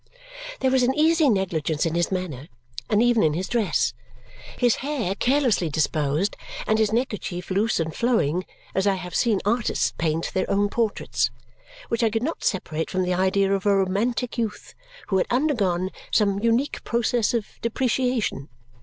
There was an easy negligence in his manner and even in his dress (his hair carelessly disposed, and his neck kerchief loose and flowing, as I have seen artists paint their own portraits) which I could not separate from the idea of a romantic youth who had undergone some unique process of depreciation.